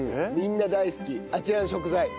みんな大好きあちらの食材。